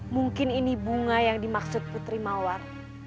mungkin ini bunga yang dimaksud putri mawar